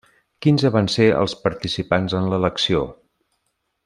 Quinze van ser els participants en l'elecció.